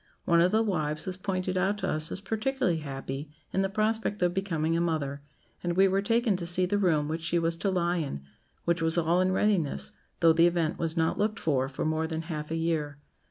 One of the wives was pointed out to us as particularly happy in the prospect of becoming a mother; and we were taken to see the room which she was to lie in, which was all in readiness, though the event was not looked for for more than half a year.